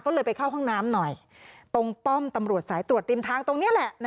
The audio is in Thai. ก็เลยไปเข้าห้องน้ำหน่อยตรงป้อมตำรวจสายตรวจริมทางตรงนี้แหละ